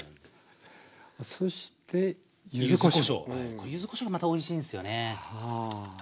これ柚子こしょうがまたおいしいんすよね。